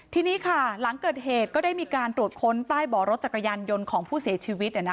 ทีนี้ค่ะหลังเกิดเหตุก็ได้มีการตรวจค้นใต้บ่อรถจักรยานยนต์ของผู้เสียชีวิต